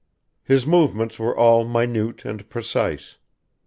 His movements were all minute and precise.